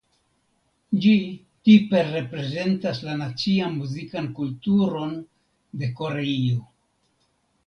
Ĝi tipe reprezentas la nacian muzikan kulturon de Koreio.